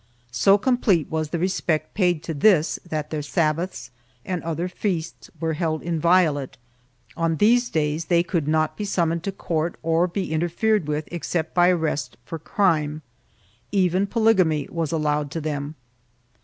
2 So complete was the respect paid to this that their Sabbaths and other feasts were held inviolate; on these days they could not be summoned to court or be interfered with except by arrest for crime. Even polygamy was allowed to them.